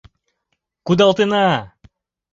«Кудалтена...